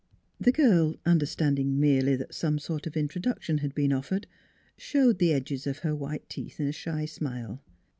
The girl, understanding merely that some sort of introduction had been offered, showed the edges of her white teeth in a shy smile.